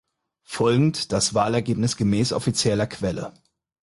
Folgend das Wahlergebnis gemäß offizieller Quelle.